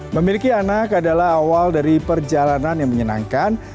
memiliki anak adalah awal dari perjalanan yang menyenangkan